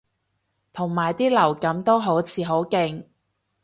同埋啲流感都好似好勁